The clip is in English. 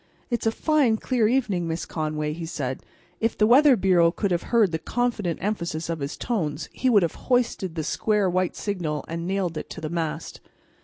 "It's a fine, clear evening, Miss Conway," he said; and if the Weather Bureau could have heard the confident emphasis of his tones it would have hoisted the square white signal, and nailed it to the mast.